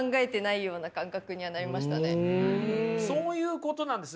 そういうことなんです。